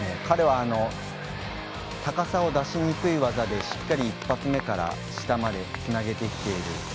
彼は高さを出しにくい技でしっかり一発目から下まで続けてきている。